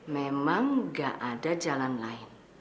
memang gak ada jalan lain